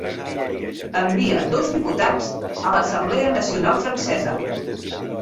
Envia dos diputats a l'Assemblea Nacional Francesa.